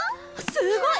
すごい！